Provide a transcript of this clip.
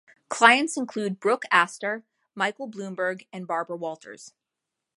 Clients include Brooke Astor, Michael Bloomberg, and Barbara Walters.